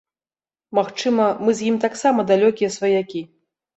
Магчыма, мы з ім таксама далёкія сваякі.